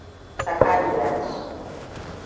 Sakaliya ce.